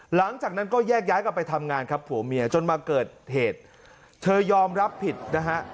หลังจากนั้นก็แยกย้ายกลับไปทำงานครับผัวเมียจนมาเกิดเหตุเธอยอมรับผิดนะฮะ